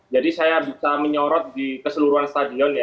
jadi saya bisa menyorot di keseluruhan stadion ya